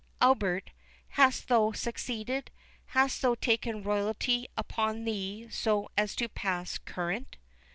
—Albert, hast thou succeeded? hast thou taken royalty upon thee so as to pass current?"